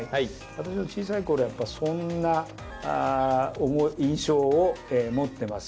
私の小さいころはやっぱりそんな印象を持ってます。